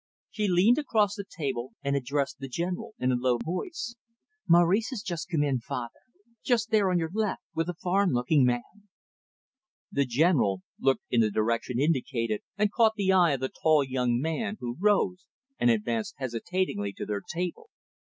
She leaned across the table, and addressed the General in a low voice. "Maurice has just come in, father. Just there, on your left, with a foreign looking man." The General looked in the direction indicated, and caught the eye of the tall young man, who rose, and advanced hesitatingly to their table.